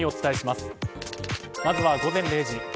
まずは午前０時。